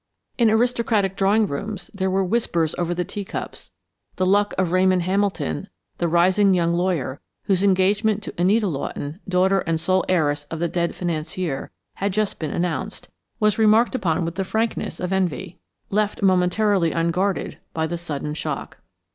In aristocratic drawing rooms, there were whispers over the tea cups; the luck of Ramon Hamilton, the rising young lawyer, whose engagement to Anita Lawton, daughter and sole heiress of the dead financier, had just been announced, was remarked upon with the frankness of envy, left momentarily unguarded by the sudden shock.